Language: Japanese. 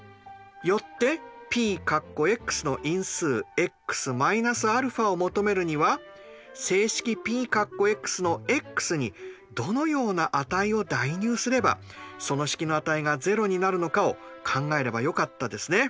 よってＰの因数ｘ−αを求めるには整式Ｐのｘにどのような値を代入すればその式の値が０になるのかを考えればよかったですね。